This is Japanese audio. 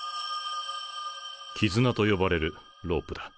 キズナと呼ばれるロープだ。